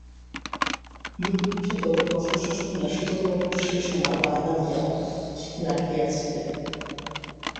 লোকমুখে দলের প্রশংসা শুনিয়া শীতলবাবু সেই সময় বায়না দিয়া রাখিয়াছিলেন।